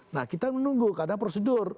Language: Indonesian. nah kita menunggu karena prosedur